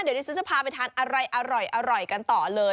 เดี๋ยวดิฉันจะพาไปทานอะไรอร่อยกันต่อเลย